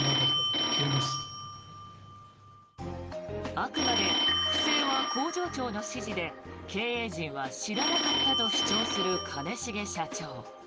あくまで不正は工場長の指示で経営陣は知らなかったと主張する兼重社長。